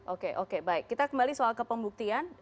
oke oke baik kita kembali soal kepembuktian